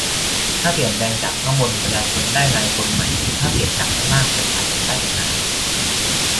ถ้าเปลี่ยนแปลงจากข้างบน ประชาชนได้นายคนใหม่ แต่ถ้าเปลี่ยนจากข้างล่าง ประชาชนได้เป็นนาย